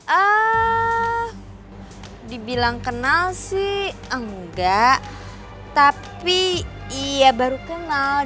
ehh dibilang kenal sih engga tapi iya baru kenal